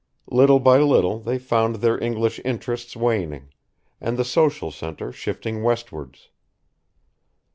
Little by little they found their English interests waning, and the social centre shifting westwards.